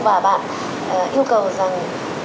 và bạn yêu cầu rằng